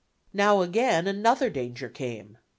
Now again another danger came.